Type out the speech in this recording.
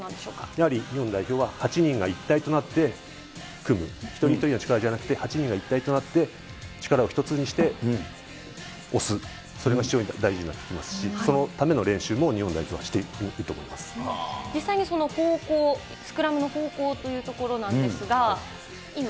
やはり日本代表は、８人が一体となって組む、一人一人の力じゃなくて、８人が一体となって力を一つにして押す、それが非常に大事になってきますし、そのための練習も日本代表は実際にその方向、スクラムの方向というところなんですが、今。